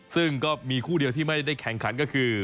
ซึ่งก็มีคู่เดียวที่ไม่ได้แข่งขันก็คือ